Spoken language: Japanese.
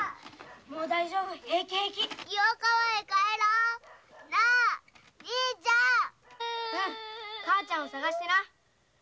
うん母ちゃんを捜してな。